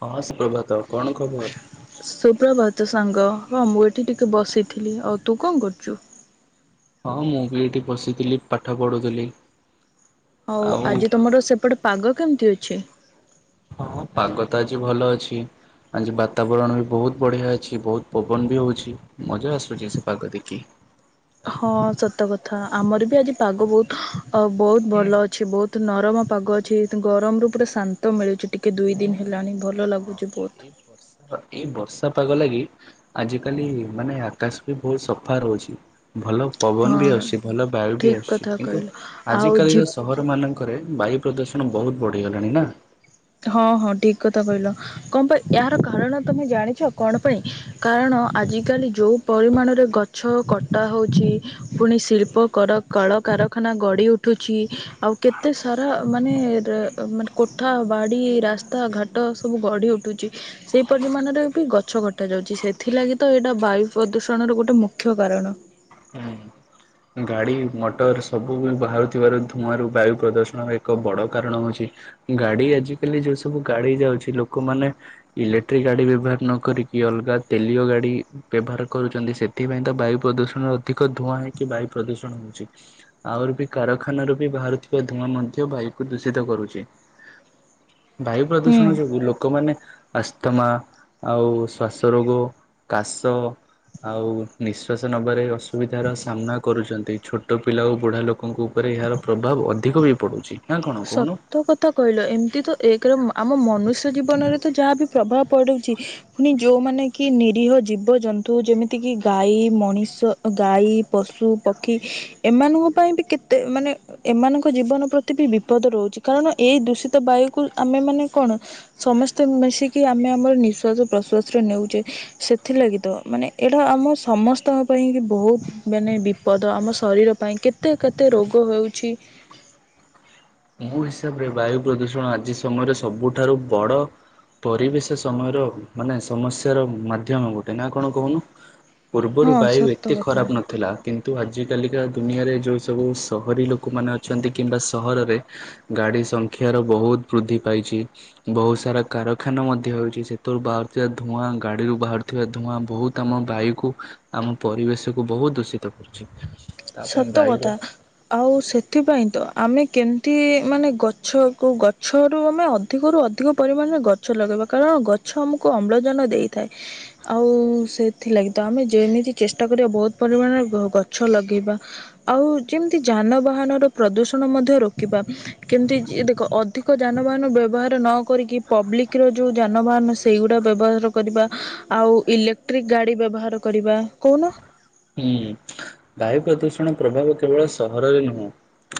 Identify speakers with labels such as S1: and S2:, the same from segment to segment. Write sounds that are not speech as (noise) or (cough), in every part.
S1: ହଁ ସୁପ୍ରଭାତ କଣ ଖବର?
S2: ସୁପ୍ରଭାତ ସାଙ୍ଗ ହଁ ମୁଁ ଏଠି ଟିକେ ବସିଥିଲି ଆଉ ତୁ କଣ କରୁଚୁ?
S1: ହଁ ମୁଁ ବି ଏଇଠି ବସିଥିଲି ପାଠ ପଢୁଥିଲି।
S2: ହଉ ଆଜି ତମର ସେପଟେ ପାଗ କିମିତି ଅଛି?
S1: ହଁ ପାଗ ତ ଆଜି ଭଲ ଅଛି ଆଜି ବାତାବରଣ ବି ବହୁତ ବଢ଼ିଆ ଅଛି ବହୁତ ପବନ ବି ହଉଛି ମଜା ଆସୁଛି ସେ ପାଗ ଦେଖି।
S2: ହଁ ସତ କଥା ଆମର ବି ଆଜି ପାଗ ବହୁତ ଆଉ ବହୁତ ଭଲ ଅଛି ବହୁତ ନରମ ପାଗ ଅଛି ଗରମ ରୁ ପୁରା ଶାନ୍ତ ମିଳୁଛି ଟିକେ ଦୁଇ ଦିନ ହେଲାଣି ଭଲ
S1: ହଁ
S2: ଲାଗୁଛି
S1: ଏ
S2: ବହୁତ।
S1: ବର୍ଷ ଏଇ ବର୍ଷ। ପାଗ ଲାଗି ଆଜିିକାଲି ମାନେ ଆକାଶ ବି ବହୁତ ସଫା ରହୁଛି। ଭଲ ପବନ ବି
S2: ହଁ
S1: ଅସୁଛି ଭଲ ବାୟୁ ବି
S2: ଠିକ୍
S1: ଆସୁଛି
S2: କଥା
S1: କିନ୍ତୁ
S2: କହିଲ ଆଉ
S1: ଆଜିକାଲିର
S2: ଝିପ୍
S1: ସହର ମାନଙ୍କରେ ବାୟୁ ପ୍ରଦୂଷଣ ବହୁତ ବଢିଗଲାଣି ନା?
S2: ହଁ ହଁ ଠିକ କଥା କହିଲ କଣ ପାଇଁ ଏହାର କାରଣ ତମେ ଜାଣିଛ କଣ ପାଇଁ କାରଣ ଆଜିକାଲି ଯୋଉ ପରିମାଣରେ ଗଛ କଟା ହଉଛି ପୁଣି ଶିଳ୍ପ କଳକାରାରଖାନା ଗଡି ଉଠୁଛି ଆଉ କେତେ ସାରା ମା (unintelligible) ର ମାନେ କୋଠା ବାଡ଼ି ରାସ୍ତା ଘାଟ ସବୁ ଗଢିଉଠୁଚି ସେଇ (unintelligible) ବି ଗଛ କଟା ଯାଉଚି ସେଥିଲାଗି ତ ଏଇଟା ବାୟୁ ପ୍ରଦୂଷଣର ଗୋଟେ ମୁଖ୍ୟ କାରଣ।
S1: ନା। ଗାଡ଼ି ମଟର ସବୁ ବି ବାହାରୁଥିବାରୁ ଧୂଆଁରୁ ବାୟୁ ପ୍ରଦୂଷଣର ଏକ ବଡ଼ କାରଣ ହେଉଛି। ଗାଡ଼ି ଆଜିକାଲି ଯେଉଁ ସବୁ ଗାଡ଼ି ଯାଉଛି। ଲୋକମାନେ ଇଲେକ୍ଟ୍ରିକ୍ ଗାଡ଼ି ବ୍ୟବହାର ନ କରିକି ଅଲଗା ତେଲିୟ ଗାଡ଼ି ବ୍ୟବହାର କରୁଛନ୍ତି। ସେଥିପାଇଁ ତ ବାୟୁ ପ୍ରଦୂଷଣର ଅଧିକ ଧୂଆଁ ହେଉ କି ବାୟୁ ପ୍ରଦୂଷଣ ହଉଛି ଆହୁରି ବି କାରଖାନାରୁ ବି ବାହାରୁଥିବା ଧୂଆଁ ମଧ୍ୟ ବାୟୁକୁ ଦୂଷିତ କରୁଛି। ବାୟୁ ପ୍ରଦୂଷଣ
S2: ହୁଁ
S1: ଯୋଗୁଁ ଲୋକମାନେ ଅସ୍ଥମା ଆଉ ଶ୍ୱାସ ରୋଗ କାଶ ଆଉ ନିଶ୍ୱାସ ନେବାରେ ବି ଅସୁବିଧା ସାମ୍ନା କରୁଛନ୍ତି ଛୋଟ ପିଲା ଓ ବୁଢ଼ା ଲୋକ ଲୋକଙ୍କ ଉପରେ ଏହାର ପ୍ରଭାବ ଅଧିକ। ଅଧିକ ବି ପଡ଼ୁଚି।
S2: ସତ କଥା କହିଲ ଏମିତି ତ ଏକ ରେ ମା ଆମର ମନୁଷ୍ୟ ଜୀବନରେ ତ ଯାହା ବି ପ୍ରଭାବ ପଡ଼ୁଛି ପୁଣି ଯେଉଁମାନେ କି ନିରୀହ ଜୀବଜନ୍ତୁ ଯେମିତିକି ଗାଈ ମଣିଷ ଗାଈ ପଶୁ ପକ୍ଷୀ ଏମାନଙ୍କ ପାଇଁ ବି କେତେ ମାନେ ଏମାନଙ୍କ ଜୀବନ ପ୍ରତିବି ବି ବିପଦ ରହୁଛି କାହିଁକି ନା ଏଇ ଦୂଷିତ ବାୟୁ କୁ ଆମେ ମାନେ କଣ ସମସ୍ତେ ମିଶିକି ଆମେ ଆମର ନିଶ୍ଵାସ ପ୍ରଶ୍ଵାସ ରେ ନେଉଛେ ସେଥିଲାଗି ତ ମାନେ ଏଇଟା ଆମ ସମସ୍ତଙ୍କ ପାଇଁ ବହୁତ ମାନେ ବିପଦ ଆମ ଶରୀର ପାଇଁ କେତେ କେତେ ରୋଗ ହଉଛି।
S1: ମୋ ହିସାବରେ ବାୟୁ ପ୍ରଦୂଷଣ ଆଜି ସମୟରେ ସବୁଠାରୁ ବଡ ପରିବେଶ ସମୟର ମାନେ ସମସ୍ୟାର ମାଧ୍ୟମ ଗୋଟେ ନା କଣ କହୁନୁ? ପୂର୍ବରୁ
S2: ହଁ
S1: ବାୟୁ
S2: ସତ
S1: ଏତେ
S2: କଥା।
S1: ଖରାପ ନଥିଲା। କିନ୍ତୁ ଆଜିକାଲିକା ଦୁନିଆରେ ଯେଉଁ ସବୁ ସହରୀ ଲୋକମାନେ ଅଛନ୍ତି କିମ୍ବା ସହରରେ ଗାଡି ସଂଖ୍ୟାର ବହୁତ ବୃଦ୍ଧି ପାଇଛି। ବହୁତ ସାରା କାରଖାନା ମଧ୍ୟ ହେଉଚି ସେଥିରୁ ବାହାରୁଥିବା ଧୂଆଁ ଗାଡିରୁୁ ବାହାରୁଥିବା ଧୂଆଁ ବହୁତ ଆମ ବାୟୁକୁ ଆମ ପରିବେଶ କୁ ବହୁତ ଦୂଷିତ କରୁଛି। ତା ପାଇଁ
S2: ସତ
S1: ବାୟୁର
S2: କଥା ଆଉ ସେଥିପାଇଁ ତ ଆମେ କେମ୍ ଟି ମାନେ ଗଛକୁ ଗଛରୁ ଆମେ ଅଧିକରୁ ଅଧିକ ପରିମାଣରେ ଗଛ ଲଗେଇବା କାରଣ ଗଛ ଆମକୁ ଅମ୍ଳଜାନ ଦେଇଥାଏ। ଆଉ ସେଥିଲାଗି ତ ଆମେ ଯେମିତି ଚେଷ୍ଟା କରିବା ବହୁତ ପରିମାଣରେ ଗ ଗଛ ତ ଲଗେଇବା ଆଉ ଯେମିତି ଯାନବାହାନର ପ୍ରଦୂଷଣ ମଧ୍ୟ ରୋକିବା କେମିତି ଏ ଦେଖ ଅଧିକ ଯାନବାହାନ ବ୍ୟବହାର ନ କରିକି ପବ୍ଲିକରେ ଯଉଁ ଯାନବାହାନ ସେଇଗୁଡା ବ୍ୟବହାର କରିବା ଆଉ ଇଲେକ୍ଟ୍ରିକ ଗାଡ଼ି ବ୍ୟବହାର କରିବା କଉନ।
S1: ହ୍ନୁ ବାୟୁ ପ୍ରଦୂଷଣ ପ୍ରଭାବ କେବଳ ସହରରେ ନୁହଁ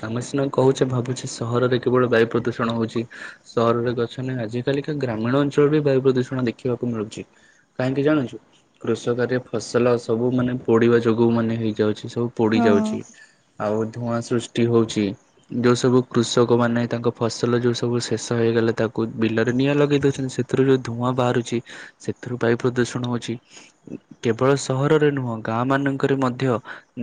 S1: ଆମେ ସିନା କହୁଛେ ଭାବୁଛେ ସହରରେ କେବଳ ବାୟୁ ପ୍ରଦୂଷଣ ହଉଚି ସହରରେ ଗଛ ନାହିଁ ଆଜିକାଲି କା ଗ୍ରାମୀଣ ଅଞ୍ଚଳରେ ବି ବାୟୁ ପ୍ରଦୂଷଣ ଦେଖିବାକୁ ମିଳୁଚି କାହିଁକି ଜାଣିଚୁ କୃଷକରେ ଫସଲ ସବୁ ମାନେ ପୋଡ଼ିବା ଯୋଗୁଁ ମାନେ ହେଇଯାଉଚି। ସବୁ ପୋଡ଼ି
S2: ହଁ
S1: ଯାଉଚି ଆଉ ଧୂଆଁ ସୃଷ୍ ଠି ହଉଚି ଯୋଉଁ ସବୁ କୃଷକମାନେ ତାଙ୍କ ଫସଲ ଯୋଉଁ ସବୁ ଶେଷ ହେଇଗଲେ ତାକୁ ବିଲରେ ନିଆଁ ଲଗେଇ ଦେଉଛନ୍ତି ସେଥିରୁ ଯୋଉଁ ଧୂଆଁ ବାହାରୁଛି ସେଥିରୁ ବାୟୁ ପ୍ରଦୂଷଣ ହଉଛି କେବଳ ସହରରେ ନୁହଁ। ଗାଁ ମାନଙ୍କରେ ମଧ୍ୟ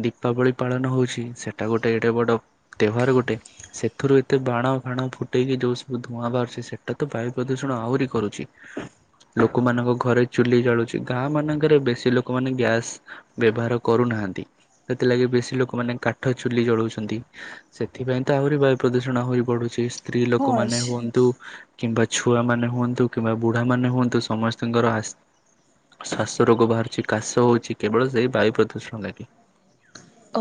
S1: ଦୀପାବଳି ପାଳନ ହଉଚି ସେଟା ଗୋଟେ ଏଡେ ବଡ଼ ତିହ୍ୱାର ଗୋଟେ ସେଥିରୁ ଏତେ ବାଣ ଫାଣ ଫୁଟେଇକି ଯୋଉଁ ସବୁ ଧୂଆଁ ବାହାରୁଚି ସେଟା ତ ବାୟୁ ପ୍ରଦୂଷଣ ଆହୁରି କରୁଛି ଲୋକମାନଙ୍କ ଘରେ ଚୁଲି ଜଳୁଛି ଗାଁ ମାନଙ୍କରେ ବେଶି ଲୋକମାନେ ଗ୍ୟାସ ବ୍ୟବହାର କରୁନାହାଁନ୍ତି, ସେଥିଲାଗି ବେଶୀ ଲୋକମାନେ କାଠ ଚୁଲି ଜଳୁଛନ୍ତି, ସେଥିପାଇଁ ତ ଆହୁରି ବାୟୁ ପ୍ରଦୂଷଣ ଆହୁରି ବଢ଼ୁଚି। ସ୍ତ୍ରୀ
S2: ହଁ
S1: ଲୋକମାନେ
S2: ଅଛି
S1: ହୁଅନ୍ତୁ କିମ୍ବା ଛୁଆମାନେ ହୁଅନ୍ତୁ କିମ୍ବା ବୁଢ଼ା ମାନେ ହୁଅନ୍ତୁ ସମସ୍ତଙ୍କର ଆସ୍ ଶ୍ଵାସ ରୋଗ ବାହାରୁଚି କାଶ ହଉଛି କେବଳ ସେଇ ବାୟୁ ପ୍ରଦୂଷଣ ଲାଗି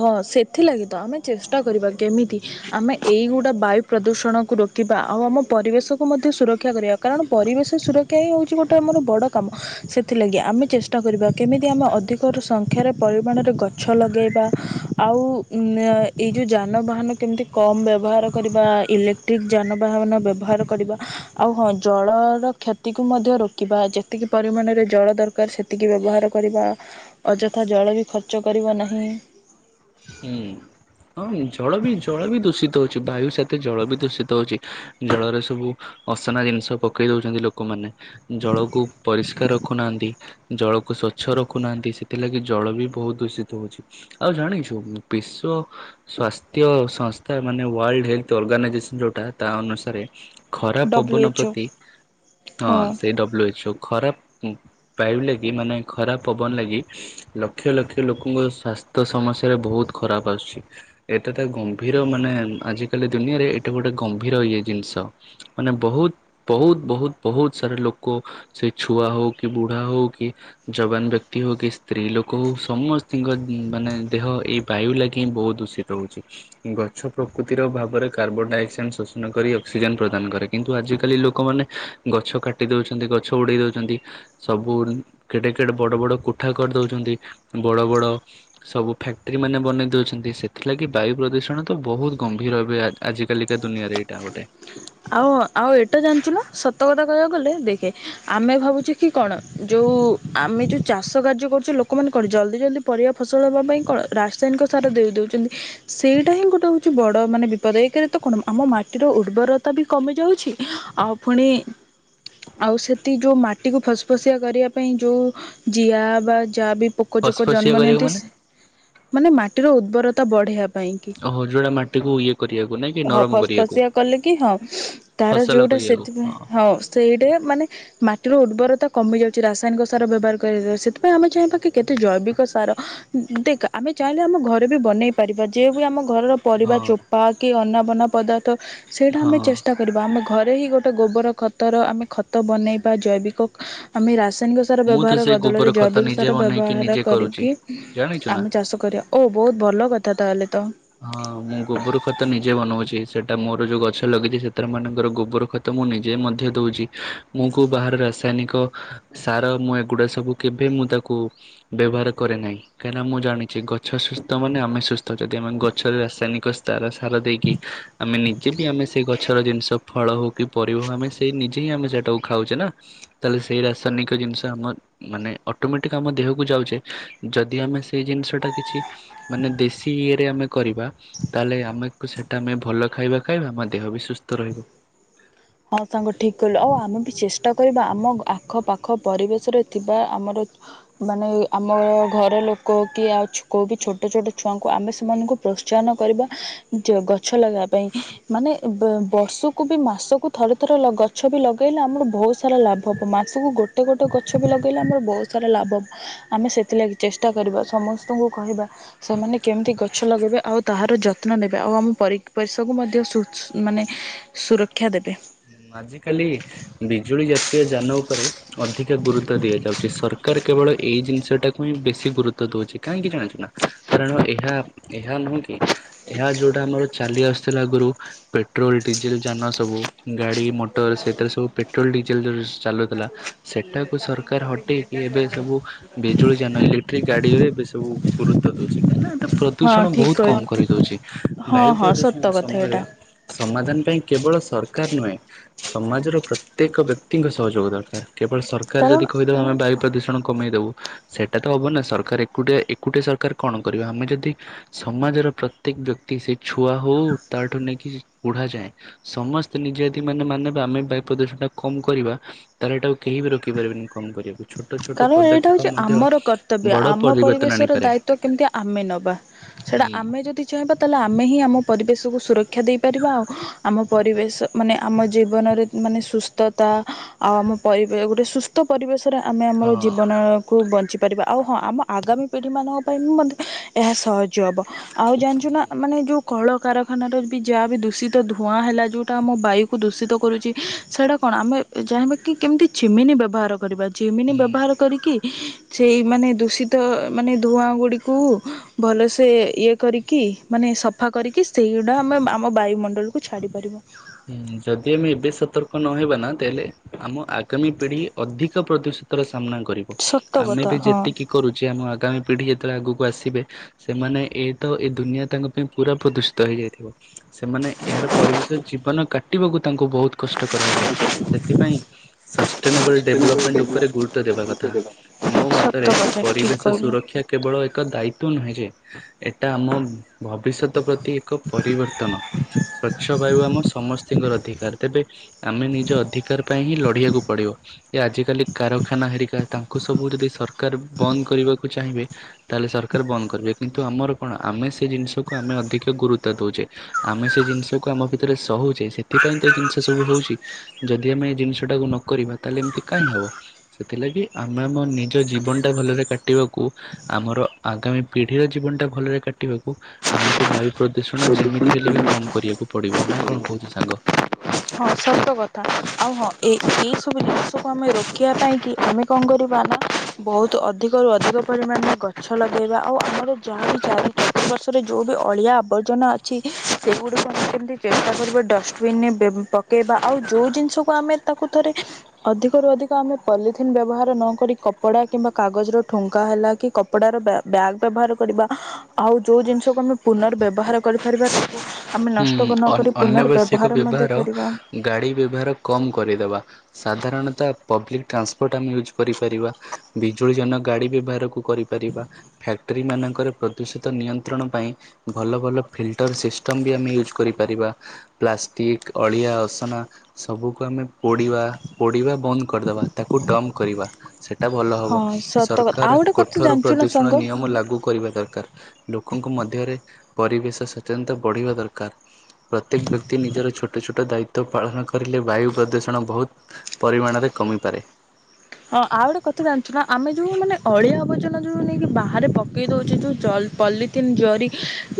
S2: ହଁ ସେଥିଲାଗି ତ ଆମେ ଚେଷ୍ଟା କରିବା କେମିତି ଆମେ ଏଇଗୁଡ଼ା ବାୟୁ ପ୍ରଦୂଷଣକୁ ରୋକିବା ଆଉ ଆମ ପରିବେଶକୁ ମଧ୍ୟ ସୁରକ୍ଷା କରିବା କାରଣ ପରିବେଶ ସୁରକ୍ଷା ହିଁ ହଉଚି ଗୋଟେ ଆମର ବଡ଼ କାମ ସେଥିଲାଗି ଆମେ ଚେଷ୍ଟା କରିବା କେମିତି ଆମେ ଅଧିକ ସଂଖ୍ୟାରେ ପରିମାଣରେ ଗଛ ଲଗାଇବା। ଆଉ ଉମ୍ ଏଇ ଯଉ ଯାନବାହାନ କେମିତି କମ୍ ବ୍ୟବହାର କରିବା ଇଲେକ୍ଟ୍ରିକ୍ ଯାନବାହାନ ବ୍ୟବହାର କରିବା ଆଉ ହଁ ଜଳର କ୍ଷତିକୁ ମଧ୍ୟ ରୋକିବା ଯେତିକି ପରିମାଣରେ ଜଳ ଦରକାର ସେତିକି ବ୍ୟବହାର କରିବା ଅଯଥା ଜଳ ବି ଖର୍ଚ୍ଚ କରିବା ନାହିଁ।
S1: ହୁଁ ହଁ ଜଳ ବି ଜଳ ବି ଦୂଷିତ ହଉଛି ବାୟୁ ସାଥେ ଜଳ ବି ଦୂଷିତ ହଉଛି ଜଳରେ ସବୁ ଅସନା ଜିନିଷ ପକେଇ ଦଉଛନ୍ତି ଲୋକମାନେ, ଜଳକୁ ପରିଷ୍କାର ରଖୁନାହାନ୍ତି, ଜଳକୁ ସ୍ଵଚ୍ଛ ରଖୁନାହାନ୍ତି, ସେଥିଲାଗି ଜଳ ବି ବହୁତ ଦୂଷିତ ହଉଛି, ଆଉ ଜାଣିଛୁ ବିଶ୍ଵ ସ୍ୱାସ୍ଥ୍ୟ ସଂସ୍ଥା ମାନେ ୱାଲଡ଼ ହେଲଥ ଅର୍ଗାନାଇଜେସନ ଯଉଁଟା ତା ଅନୁସାରେ ଖରାପ୍
S2: ଡବ୍ଲ୍ୟୁ
S1: ପବନ
S2: ଏଚ୍ ଓ
S1: ପ୍ରତି ହଁ ସେ ଡବ୍ଲୁ ଏଚ ଓ। ଖରାପ ଉମ୍ ବାୟୁ ଲାଗି ମାନେ ଖରାପ ପବନ ଲାଗି ଲକ୍ଷ ଲକ୍ଷ ଲୋକଙ୍କ ସ୍ୱାସ୍ଥ୍ୟ ସମସ୍ୟା ରେ ବହୁତ ଖରାପ ଆସୁଚି ଏଟା ତ ଗମ୍ଭୀର ମାନେ ଆଜିକାଲି ଦୁନିଆରେ ଏଇଟା ଗୋଟେ ଗମ୍ଭୀର ଇଏ ଜିନିଷ ମାନେ ବହୁତ ବହୁତ ବହୁତ ବହୁତ ସାରା ଲୋକ ସେ ଛୁଆ ହଉ କି ବୁଢ଼ା ହଉ କି ଯବାନ ବ୍ୟକ୍ତି ହଉ କି ସ୍ତ୍ରୀ ଲୋକ ହଉ ସମସ୍ତିଙ୍କ ମାନେ ଦେହ ଏ ବାୟୁ ଲାଗି ହିଁ ବହୁତ ଦୂଷିତ ହଉଛି। ଗଛ ପ୍ରକୃତିର ଭାବରେ କାର୍ବନ ଡାଇଅକ୍ସାଇଡ଼୍ ଶୋଷଣ କରି ଅକ୍ସିଜେନ୍ ପ୍ରଦାନ କରେ କିନ୍ତୁ ଆଜିକାଲି ଲୋକମାନେ ଗଛ କାଟି ଦେଉଛନ୍ତି। ଗଛ ଉଡ଼େଇ ଦେଉଛନ୍ତି ସବୁ କେଡ଼େ କେଡ଼େ ବଡ଼ ବଡ଼ କୋଠା କରିଦଉଛନ୍ତି। ବଡ଼ ବଡ଼ ସବୁ ଫ୍ୟାକ୍ଟ୍ରି ମାନେ ବନେଇ ଦେଉଛନ୍ତି ସେଥିଲାଗି ବାୟୁ ପ୍ରଦୂଷଣ ତ ବହୁତ ଗମ୍ଭୀର ହେବେ ଆଜିକାଲିକା ଦୁନିଆରେ ଏଇଟା ଗୋଟେ।
S2: ଆଉ ଆଉ ଏଇଟା ଜାଣିଚୁ ନା ସତ କଥା କହିବାକୁ ଗଲେ ଦେଖେ ଆମେ ଭାବୁଛେ କି କଣ ଯଉଁ ଆମେ ଯଉଁ ଚାଷ କାର୍ଯ୍ୟ କରୁଚେ ଲୋକମାନେ କଣ ଜଲଦି ଜଲଦି ପରିବା ଫସଲ ହେବା ପାଇଁ କଣ ରାସାୟନିକ ସାର ଦେଇ ଦେଉଛନ୍ତି, ସେଇଟା ହିଁ ଗୋଟେ ହଉଛି ବଡ଼ ମାନେ ବିପଦ ଏକରେ ତ କଣ ଆମ ମାଟିର ଉର୍ବର ତା ବି କମି ଯାଉଛି। ଆଉ ପୁଣି ଆଉ ସେଠି ଯଉଁ ମାଟିକୁ ଫସ ଫସିଆ କରିବା ପାଇଁ ଯଉଁ ଜିଆ ବା ଯା ବି ପୋକ ଜୋକ
S1: ଫସଫସିଆ
S2: ଜନ୍ମ
S1: କରିବାକୁ
S2: ନିଅନ୍ତି
S1: ମାନେ
S2: ସେ ମାନେ ମାଟ ମାଟିର ଉର୍ବରତା ବଢେୟା କୁ
S1: ଓହୋ ଯଉଟା ମାଟିକୁ ଇଏ କରିବାକୁ ନାଇଁ କି ନରମ କରିବାକୁ।
S2: ଶୁଁ ତାର
S1: ଫସଲ
S2: ଯଉଟା
S1: କରିବାକୁ
S2: ସେଥିପାଇଁ ହଁ ସେଇଟା ମାନେ ମାଟିର ଉର୍ବର ତା କମିଯାଉଛି, ରାସାୟନିକ ସାର ବ୍ୟବହାର କରିବା ଦ୍ଵାରା ସେଥିପାଇଁ ଆମେ ଚାହିଁବା କି କେତେ ଜୈବିକ ସାର ଦେଖ୍ ଆମେ ଚାହିଁଲେ ଆମ ଘରେ ବି ବନେଇ ପାରିବା ଯେ ବି ଆମ ଘରର ପରିବା
S1: ହଁ
S2: ଚୋପା କି ଅନା ବ ବନା ପଦାର ତ ସେଇଟା
S1: ହଁ
S2: ଆମେ ଚେଷ୍ଟା କରିବା ଆମ ଘରେ ହିଁ ଗୋଟେ ଗୋବର ଖତର ଆମେ ଖତ ବନେଇବା ଜୈବିକ ଆମେ ରାସା- ରାସାୟନିକ ସାର
S1: ମୁଁ ତ
S2: ବ୍ୟବହାର
S1: ସେଇ ଗୋବର
S2: ବଦଳରେ
S1: ଖତ
S2: ଜୈବିକ
S1: ନିଜେ
S2: ସାର
S1: ବନେଇକି
S2: ବ୍ୟବହାର
S1: ନିଜେ କରୁଛି
S2: କରିକି
S1: ଜାଣିଛୁ ନା
S2: ଆମେ ଚାଷ କରିବା ଓ ବହୁତ ଭଲ କ ତା ତାହେଲେ ତ
S1: ହଁ ମୁଁ ଗୋବର ଖତ ନିଜେ ବନଉଛି ସେଟା ମୋର ଯଉ ଗଛ ଲଗେଇଛି ସେଥିରେ ମନେକର ଗୋବର ଖତ ମୁଁ ନିଜେ ମଧ୍ୟ ଦଉଛି ମୁଁ କଉ ବାହାର ରାସାୟନିକ ସାର ମୁଁ ଏଗୁଡା ସବୁ କେବେ ମୁଁ ତାକୁ ବ୍ୟବହାର କରେ ନାହିଁ କାହିଁକିନା ମୁଁ ଜାଣିଛି ଗଛ ସୁସ୍ଥ ମାନେ ଆମେ ସୁସ୍ଥ ଯ ଆମେ ଗଛରେ ରାସାୟନିକ ସାର ସାର ଦେଇକି ଆମେ ନିଜେ ବି ଆମେ ସେଇ ଗଛର ଜିନିଷ ଫଳ ହଉ କି ପରିବା ହଉ ଆମେ ସେଇ ନିଜେ ହିଁ ଆମେ ସେଇଟାକୁ ଖାଉଛେ ନା ତାହେଲେ ସେଇ ରାସାୟନିକ ଜିନିଷ ଆମର ମାନେ ଅଟୋମେଟିକ ଆମ ଦେହକୁ ଯାଉଛେ ଯଦି ଆମେ ସେଇ ଜିନିଷଟା କିଛି ମାନେ ଦେଶୀ ଇଏରେ ଆମେ କରିବା ତାହେଲେ ଆମକୁ ସେଇଟା ଆମେ ଭଲ ଖାଇବା ଖାଇବା ଆମ ଦେହ ବି ସୁସ୍ଥ ରହିବ।
S2: ହଁ ସାଙ୍ଗ ଠିକ କଲୁ ଆଉ ଆମେ ବି ଚେଷ୍ଟା କରିବା ଆମ ଆଖପାଖ ପରିବେଶରେ ଥିବା ଆମର ମାନେ ଆମ ଘର ଲୋକ କି ଆଉ କୋଉ ବି ଛୋଟ ଛୋଟ ଛୁଆଙ୍କୁ ଆମେ ସେମାନଙ୍କୁ ପ୍ରୋତ୍ସାହନ କରିବା ଯେ ଗଛ ଲଗେଇବା ପାଇଁ ମାନେ ବର୍ଷକୁ ବି ମାସକୁ ଥରେ ଥରେ ଲ ଗଛ ବି ଲଗାଇଲେ ଆମର ବହୁତ ସାରା ଲାଭ ହେବ ମାସକୁ ଗୋଟେ ଗୋଟେ ଗଛ ବି ଲଗାଇଲେ ଆମର ବହୁତ ସାରା ଲାଭ ହେବ ଆମେ ସେଥିଲାଗି ଚେଷ୍ଟା କରିବା ସମସ୍ତଙ୍କୁ କହିବା ସେମାନେ କେମିତି ଗଛ ଲଗାଇବେ ଆଉ ତାହାର ଯତ୍ନ ନେବେ ଆଉ ଆମ ପରିବେଶକୁ ମଧ୍ୟ ସ୍ଵ
S1: ହୁଁ
S2: ମାନେ ସୁରକ୍ଷା ଦେବେ।
S1: ଆଜିକାଲି ବିଜୁଳି ଜାତୀୟ ଯାନ ଉପରେ ଅଧିକା ଗୁରୁତ୍ୱ ଦିଆଯାଉଛି ସରକାର କେବଳ ଏଇ ଜିନିଷଟାକୁ ହିଁ ବେଶୀ ଗୁରୁତ୍ୱ ଦଉଛି କାହିଁକି ଜାଣିଛୁ ନା କାରଣ ଏହା ଏହା ନୁହେଁ କି ଏହା ଯୋଉଟା ଆମର ଚାଲି ଆସୁଥିଲା ଆଗରୁ ପେଟ୍ରୋଲ ଡିଜେଲ ଯାନ ସବୁ ଗାଡ଼ି ମୋଟର ସେଥିରେ ସବୁ ପେଟ୍ରୋଲ ଡିଜେଲ୍ ଯେଉ ସେ ଚାଲୁଥିଲା ସେଇଟାକୁ ସରକାର ହଟେଇକି ଏବେ ସବୁ ବିଜୁଳି ଯାନ ଇଲେକ୍ଟ୍ରିକ୍ ଗାଡ଼ିରେ ଏବେ ସବୁ ଗୁରୁତ୍ୱ ଦେଉଛି କାହିଁକିନା ଏଟା
S2: ହଁ
S1: ପ୍ରଦୂଷଣ
S2: ଠିକ
S1: ବହୁତ କମ
S2: କହିଲୁ
S1: କରିଦଉଛି
S2: ହଁ
S1: ବାୟୁ
S2: ହଁ
S1: ପ୍ରଦୂଷଣ
S2: ସତ କଥା
S1: ସମୟରେ
S2: ଏଇଟା
S1: ସମାଧାନ ପାଇଁ କେବଳ ସର ଦରକାର ନୁହେଁ ସମାଜର ପ୍ରତ୍ୟେକ ବ୍ୟକ୍ତିଙ୍କ ସହଯୋଗ ଦରକାର। କେବଳ ସରକାର ଯଦି
S2: କାରଣ
S1: କହିଦବ ଆମେ ବାୟ ପ୍ରଦୂଷଣ କମେଇଦବୁ ସେଇଟା ତ ହବ ନା ସରକାର ଏକୁଟିଆ ଏକୁଟିଆ ସରକାର କଣ କରିବା ଆମେ ଯଦି ସମାଜର ପ୍ରତ୍ୟେକ ବ୍ୟକ୍ତି ସେ ଛୁଆ ହଉ ତାଠୁ ନେଇକି ବୁଢାଯାଏ ସମସ୍ ସେ ନିଜେ ଯଦି ମାନେ ମାନେ ବା ଆମେ ବାୟୁ ପ୍ରଦୂଷଣ ଟା କମ କରିବା ତାହଲେ ଏଇଟା କେହି ବି ରଖିପାରିବନି କମ୍ କରିବା।
S2: କାରଣ ଏଇଟା ହଉଛି ଆମର କର୍ତ୍ତବ୍ୟ।
S1: ବଡ
S2: ଆମ
S1: ପରିବର୍ତ୍ତନ
S2: ପରିବେଶର
S1: ଆଣିପାରେ।
S2: ଦାୟିତ୍ବ କେମତି ଆମେ ନବା ସେଇଟା
S1: ହୁଁ
S2: ଆମେ ଯଦି ଚାହିଁବା ତାହେଲେ ଆମେ ହିଁ ଆମ ପରିବେଶକୁ ସୁରକ୍ଷା ଦେଇପାରିବା ଆଉ ଆମ ପରିବେଶ ମାନେ ଆମ ଜୀବନରେ ମାନେ ସୁସ୍ଥତା ଆଉ ଆମ ପରି ଗୋଟେ ସୁସ୍ଥ ପରିବେଶରେ ଆମେ ଆମର
S1: ହଁ।
S2: ଜୀବନକୁୁ ବଞ୍ଚି ପାରିବା ଆଉ ହଁ ଆମ ଆଗାମୀ ପିଢ଼ିମାନଙ୍କ ପାଇଁ ବି ମଧ୍ୟ ଏହା ସହଜ ହେବ। ଆଉ ଜାଣିଛୁ ନା ମାନେ ଯେଉଁ କଳକାରାରଖାନାର ବି ଯାହା ବି ଦୂଷିତ ଧୂଆଁ ହେଲା ଯେଉଁଟା ଆମ ବାୟୁକୁ ଦୂଷିତ କରୁଛି ସେଇଟା କଣ ଆମେ ଚାହିଁବାକି କେମିତି ଚିମିନି ବ୍ୟବହାର କରିବା। ଚିମିନି
S1: ହୁଁ।
S2: ବ୍ୟବହାର କରିକି ସେଇମାନେ ଦୂଷିତ ମାନେ ଧୂଆଁ ଗୁଡିକୁ ଭଲସେ ଇଏ କରିକି ମାନେ ସଫା କରିକି ସେଇଗୁଡା ଆମେ ଆମ ବାୟୁମଣ୍ଡଳକୁୁ ଛାଡି ପାରିବୁ।
S1: ହୁଁ ଯଦି ଆମେ ଏବେ ସତର୍କ ନହେବା ନା ତାହେଲେ ଆମ ଆଗାମୀ ପିଢି ଅଧିକ ପ୍ରଦୂଷିତର ସାମ୍ନା କରିବ
S2: ସତ
S1: ଆମେ
S2: କଥା
S1: ବି
S2: ହଁ।
S1: ଯେତିକି କରୁଛେ ଆମ ଆଗାମୀ ପିଢି ଯେତେବେଳେ ଆଗକୁ କୁ ଆସିବେ ସେମାନେ ଏ ତ ଏ ଦୁନିଆ ତାଙ୍କ ପାଇଁ ପୁରା ପ୍ରଦୂଷିତ ହେଇଯାଇଥିବ। ସେମାନେ ଏହାର ପରିବେଶ ଜୀବନ କାଟିବାକୁ ତାଙ୍କୁ ବହୁତ କଷ୍ କଷ୍ଟକର ହେବ ସେଥିପାଇଁ ସଷ୍ଟେନେବଲ୍ ଡେଭଲପମେଣ୍ଟ ଉପରେ ଗୁରୁତ୍ୱ ଦେବା କଥା। ମୋ
S2: ସତ
S1: ମତରେ
S2: କଥା ଠିକ୍
S1: ପରିବେଶ
S2: କହିଲୁ।
S1: ସୁରକ୍ଷା କେବଳ ଏକ ଦାୟିତ୍ୱ ନୁହେଁ ଯେ ଏଟା ଆମ ଭବିଷ୍ୟତ ପ୍ରତି ଏକ ପରିବର୍ତ୍ତନ ସ୍ଵଚ୍ଛ ବାୟୁ ଆମ ସମସ୍ତଙ୍କର ଅଧିକାର ତେବେ ଆମେ ନିଜ ଅଧିକାର ପାଇଁ ହିଁ ଲଢିବାକୁ ପଡିବ। ଆଜିକାଲି କାରଖାନା ହେରିକା ତାଙ୍କୁ ସବୁ ଯଦି ସରକାର ବନ୍ଦ କରିବାକୁ ଚାହିଁବେ। ତାହେଲେ ସରକାର ବନ୍ଦ କରିବେ କି ନ୍ତୁ ଆମର କଣ ଆମେ ସେ ଜିନିଷକୁ ଆମେ ଅଧିକ ଗୁରୁତ୍ୱ ଦଉଛେ। ଆମେ ସେ ଜିନିଷକୁ ଆମ ଭିତ (unintelligible) ଏ ସେଥିପାଇଁ ତ ଜିନିଷ ସବୁ ହଉଛି ଯଦି ଆମେ ଜିନିଷ ଟାକୁ ନ କରିବା ତାହେଲେ ଏମିତି କାଇହିଁ ହେବ ସେଥିଲାଗି ଆମେ ଆମ ନିଜ ଜୀବନଟା ଭଲରେ କାଟିବାକୁ ଆମର ଆଗାମୀ ପିଢ଼ିର ଜୀବନଟା ଭଲରେ କାଟିବାକୁ ଆମକୁ ବାୟୁ ପ୍ରଦୂଷଣ ଯେମିତି ହେଲେ ବି କମ୍ କରିବାକୁ ପଡ଼ିବହନ, ନା
S2: ପଡ଼ିବ।
S1: କଣ କହୁଛୁ ସାଙ୍ଗ?
S2: ହଁ ସତକଥା ଆଉ ହଁ ଏ ଏହିସବୁ ଜିନିଷକୁ ଆମେ ରୋକିବା ପାଇଁକି। ଆମେ କଣ କରିବା ନା ଆମେ ବହୁତ ଅଧିକରୁ ଅଧିକ ପରିମାଣରେ ଗଛ ଲଗାଇବା। ଆଉ ଆମର ଯାହା ବି ଚାରି ଚାରି ପାର୍ଶ୍ୱରେ ଯୋଉ ବି ଅଳିଆ ଆବର୍ଜନା ଅଛି। ସେଗୁଡ଼ିକୁ ଆମେ କେମିତି ଚେଷ୍ଟା କରିବା ଡଷ୍ଟବିନେ ବେ ପ ପକେଇବା ଆଉ ଯୋଉ ଜିନିଷକୁ ଆମେ ତାକୁ ଥରେ ଅଧିକରୁ ଅଧିକ ଆମେ ପଲିଥିନ୍ ବ୍ୟବହାର ନକରି। କପଡ଼ା କିମ୍ବା କାଗଜର ଠୁଙ୍କା ହେଲା କି କପଡ଼ାର ବ୍ୟା ବ୍ୟାଗ୍ ବ୍ୟବହାର କରିବା। ଆଉ ଯୋଉ ଜିନିଷକୁ ଆମେ ପୁନର୍ ବ୍ୟବହାର କରିପାରିବା ଆମେ
S1: ହୁଁ
S2: ନଷ୍ଟ ନକ ନ
S1: ଅନ୍
S2: କରି
S1: ଅନାବଶ୍ୟକ
S2: ପୁନର୍ବବହାର ମଧ୍ୟ
S1: ବ୍ୟବହାର
S2: କରିବା।
S1: ଗାଡ଼ି ବ୍ୟବହାର କମ୍ କରିଦେବା। ସାଧାରଣତଃ ପବ୍ଲିକ୍ ଟ୍ରାନ୍ସପୋର୍ଟ ଆମେ ୟୁଜ୍ କରିପାରିବା। ବିଜୁଳି ଜନ ଗାଡ଼ି ବ୍ୟବହାରକୁ କରିପାରିବା। ଫ୍ୟାକ୍ଟ୍ରି ମାନଙ୍କରେ ପ୍ରଦୂଷିତ ନିୟନ୍ତ୍ରଣ ପାଇଁ ଭଲ ଭଲ ଫିଲ୍ଟର ସିଷ୍ଟ ମ ବି ଆମେ ୟୁଜ୍ କରିପାରିବା। ପ୍ଲାଷ୍ଟିକ ଅଳିଆ ଅସନା ସବୁକୁ ଆମେ ପୋଡିବା ପୋଡିବା ବନ୍ଦ କରିଦବା। ତାକୁ ଡମ୍ କରିବା। ସେଟା ଭଲ ହବ
S2: ହଁ ସତ କଥା
S1: ସରକାର
S2: ଆଉ ଗୋଟେ କଥା
S1: କୋଠୋର
S2: ଜାଣିଛୁ ନା
S1: ପ୍ରଦୂଷଣ
S2: ସାଙ୍ଗ
S1: ନିୟମ ଲାଗୁ କରିବା ଦରକାର। ଲୋକଙ୍କ ମଧ୍ୟରେ ପରିବେଶ ସ୍ୱତେନ୍ତ। ପଢ଼ିବା ଦରକାର। ପ୍ରତ୍ୟେକ ବ୍ୟକ୍ତି ନିଜର ଛୋଟ ଛୋଟ ଦାୟିତ୍ଵ ପାଳନ କରିଲେ ବାୟୁ ପ୍ରଦୂଷଣ ବହୁତ ପରିମାଣରେ କମିପାରେ।
S2: ହଁ ଆଉ ଗୋଟେ କଥା ଜାଣିଛୁ ନା ଆମେ ଯୋଉ ମାନେ ଅଳିଆ ଆବର୍ଜନା ଯୋଉ ନେଇକି ବାହାରେ ପକେଇ ଦଉଛେ। ଯୋଉ ଜ ପଲିଥିିନ ଜରି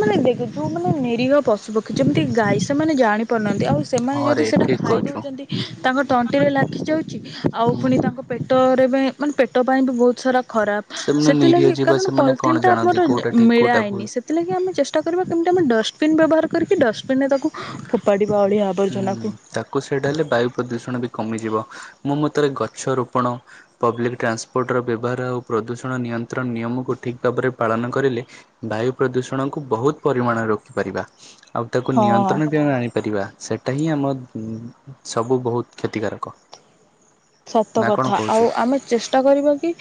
S2: ମାନେ ଯୋଉ ମାନେ ନିରୀହ ପଶୁ ପକ୍ଷୀ ଯେମିତି ଗାଈ ସେମାନେ ଜାଣି ପାରୁନାହାନ୍ତି। ଆଉ ସେମାନେ
S1: ହଁ
S2: ଯଦି
S1: ରେ
S2: ସେଇଟା
S1: ଠିକ୍
S2: ଖାଇ
S1: କହୁଛୁ।
S2: ଦେଉଛନ୍ତି। ତାଙ୍କ ତଣ୍ଟିରେ ଲାଖିଯାଉଛି ଆଉ
S1: ହୁଁ
S2: ପୁଣି ତାଙ୍କ ର ବି ମାନେ ପେଟ ପାଇଁ ବି ବହୁତ ସେରା ଖରାପ
S1: ସେମାନେ ନିରୀହ
S2: ସେଥିଲାଗି
S1: ଜୀବ
S2: କାରଣ
S1: ସେମାନେ କଣ
S2: ପଲିଥିନ୍ଟା
S1: ଜାଣନ୍ତି
S2: ଆମର
S1: କୋଉଟା ଠିକ୍ କୋଉଟା ଭୁଲ।
S2: ମିଳାଏନି। ସେଥିଲାଗି ଆମେ ଚେଷ୍ଟା କ ରିବା କେମିତି ଆମେ ଡଷ୍ଟ ବିନ୍ ବ୍ୟବହାର କରି ଡଷ୍ଟବିନ୍ ରେ ତାକୁ ଫୋପାଡି
S1: ହୁଁ ତାକୁ ସେଇଟା ହେଲେ ବାୟୁ ପ୍ରଦୂଷଣ ବି କ କମିଯିବ। ମୋ ମତରେ ଗଛ ରୋପଣ ପବ୍ଲିକ ଟ୍ରାନ୍ସପୋର୍ଟର ବ୍ୟବହାର ଆଉ ପ୍ରଦୂଷଣ ନିୟନ୍ତ୍ରଣ ନିୟମକୁ ଠିକ୍ ଭାବରେ ପାଳନ କରିଲେ। ବାୟୁ ପ୍ରଦୂଷଣକୁ ବହୁତ ପରିମାଣରେ ରୋକିପାରିବା। ଆଉ ତାକୁ
S2: ହଁ।
S1: ନିୟନ୍ତ୍ରଣ ବି ଆମେ ଆଣିପାରିବା। ସେଇଟା ହିଁ ଆମ ସବୁ ବହୁତ କ୍ଷତିକାରକ।
S2: ସତ
S1: ନା କଣ
S2: କଥା ଆଉ
S1: କହୁଛୁ?
S2: ଆମେ ଚେଷ୍ଟା କରିବା କି